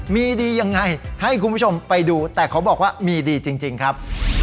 มีดียังไงให้คุณผู้ชมไปดูแต่เขาบอกว่ามีดีจริงครับ